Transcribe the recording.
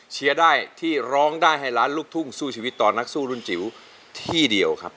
ได้ที่ร้องได้ให้ล้านลูกทุ่งสู้ชีวิตต่อนักสู้รุ่นจิ๋วที่เดียวครับ